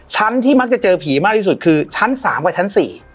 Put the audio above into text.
ที่มักจะเจอผีมากที่สุดคือชั้น๓กับชั้น๔